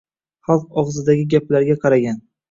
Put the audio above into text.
Xalq ogʻzidagi gaplarga qaragan